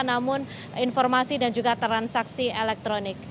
namun informasi dan juga transaksi elektronik